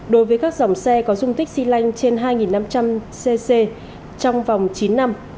đối với các dòng xe có dung tích xy lanh trên hai năm trăm linh cc trong vòng chín năm